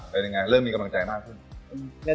เป็นยังไงเริ่มมีกำลังใจมากขึ้น